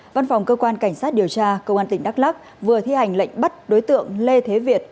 văn phòng cơ quan cảnh sát điều tra công an tỉnh đắk lắc vừa thi hành lệnh bắt đối tượng lê thế việt